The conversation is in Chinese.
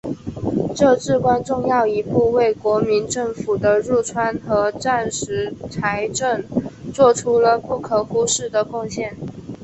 这至关重要一步为国民政府的入川和战时财政作出了不可忽视的贡献。